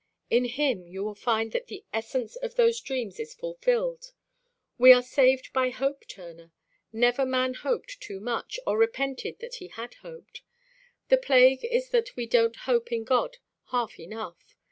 In him you will find that the essence of those dreams is fulfilled. We are saved by hope, Turner. Never man hoped too much, or repented that he had hoped. The plague is that we don't hope in God half enough.